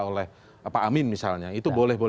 oleh pak amin misalnya itu boleh